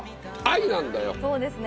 そうですね。